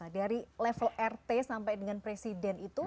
dari level rt sampai dengan presiden itu